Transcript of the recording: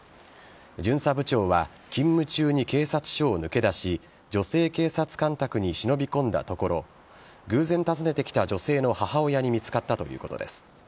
巡査部長は勤務中に警察署を抜け出し女性警察官宅に忍び込んだところ偶然訪ねてきた女性の母親に見つかったということです。